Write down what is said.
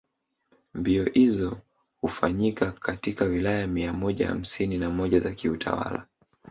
Mbio izo ufanyika katika Wilaya mia moja hamsini na moja za kiutawala